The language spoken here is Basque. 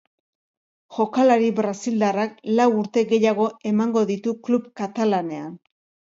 Jokalari brasildarrak lau urte gehiago emango ditu klub katalanean.